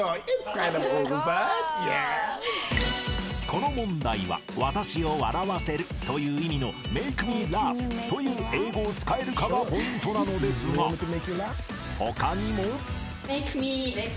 ［この問題は「私を笑わせる」という意味の「ｍａｋｅｍｅｌａｕｇｈ」という英語を使えるかがポイントなのですが他にも］